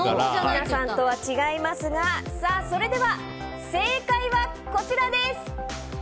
皆さんとは違いますがそれでは正解はこちら。